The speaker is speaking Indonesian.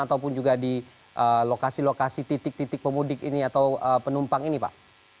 ataupun juga di lokasi lokasi titik titik pemudik ini atau penumpang ini pak